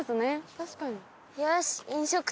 確かに。